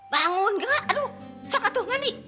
bangun gerak aduh sakat tuh ngandi